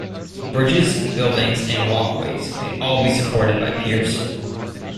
Bridges, buildings, and walkways may all be supported by piers.